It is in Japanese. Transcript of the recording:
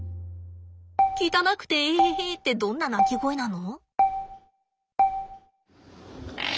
「汚くてえへへ」ってどんな鳴き声なの？